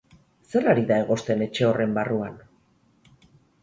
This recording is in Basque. Zer ari da egosten etxe horren barruan?